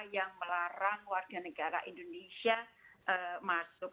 yang melarang warga negara indonesia masuk